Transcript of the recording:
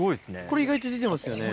これ意外と出てますよね。